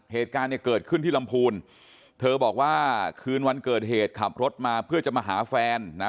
เหตุการณ์เนี่ยเกิดขึ้นที่ลำพูนเธอบอกว่าคืนวันเกิดเหตุขับรถมาเพื่อจะมาหาแฟนนะ